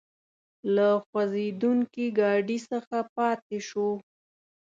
له خوځېدونکي ګاډي څخه پاتې شوو.